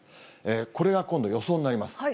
これが今度、予想になります。